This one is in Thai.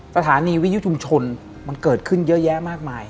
สถานีวิยุชุมชนมันเกิดขึ้นเยอะแยะมากมาย